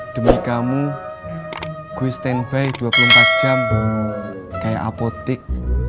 demi kamu gue standby dua puluh empat jam kayak apotik